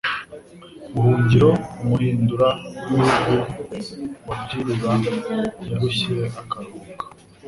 Buhungiro umuhindura w'ibihugu Wabyirura yarushye akaruhuka.